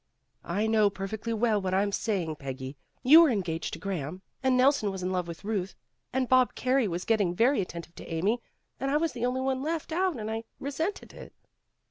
"I know perfectly well what Pm saying, Peggy. You were engaged to Graham, and Nelson was in love with Ruth and Bob Carey was getting very attentive to Amy, and I was the only one left out and I resented it."